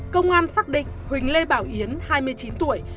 công an xác định huỳnh lê bảo yến hai mươi chín tuổi